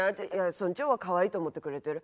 村長はかわいいと思ってくれてる。